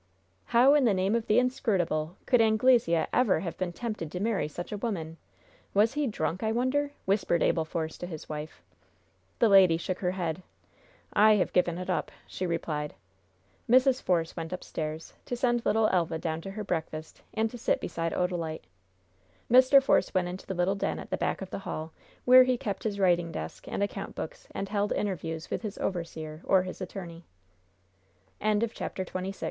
"How in the name of the Inscrutable could Anglesea ever have been tempted to marry such a woman? Was he drunk, I wonder?" whispered Abel Force to his wife. The lady shook her head. "I have given it up," she replied. Mrs. Force went upstairs, to send little Elva down to her breakfast, and to sit beside Odalite. Mr. Force went into the little den at the back of the hall, where he kept his writing desk and account books and held interviews with his overseer or his attorney. CHAPTER XXVII CONFIRMATION FROM ST.